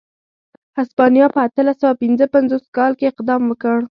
هسپانیا په اتلس سوه پنځه پنځوس کال کې اقدام وکړ.